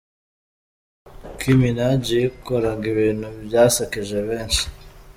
Nicki Minaj yikoraga ibintu byasekeje benshi.